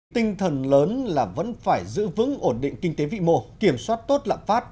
tinh thần lớn là vẫn phải giữ vững ổn định kinh tế vị mộ kiểm soát tốt lạm phát